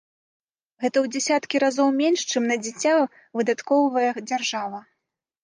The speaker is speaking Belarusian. Гэта ў дзесяткі разоў менш, чым на дзіця выдаткоўвае дзяржава.